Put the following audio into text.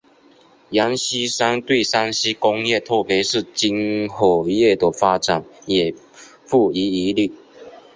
阎锡山对山西工业特别是军火业的发展也不遗余力。